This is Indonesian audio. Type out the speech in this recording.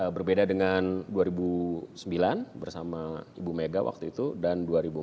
berbeda dengan dua ribu sembilan bersama ibu mega waktu itu dan dua ribu empat belas